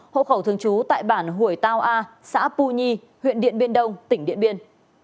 hộ khẩu thường trú tại bản hủy tao a xã pu nhi huyện điện biên đông tỉnh điện biên